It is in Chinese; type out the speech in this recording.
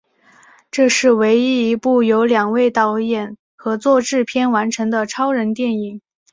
这是唯一一部由两位导演合作制片完成的超人电影。